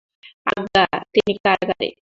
আজ্ঞা, তিনি কারাগারে।